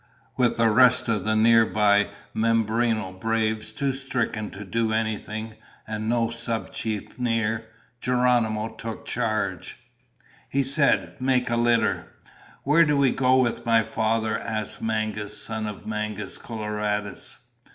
With the rest of the nearby Mimbreno braves too stricken to do anything, and no sub chief near, Geronimo took charge. He said, "Make a litter." "Where do we go with my father?" asked Mangas, son of Mangus Coloradus.